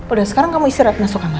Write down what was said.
udah sekarang kamu isi rat nasuh kamar